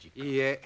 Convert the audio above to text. いいえ。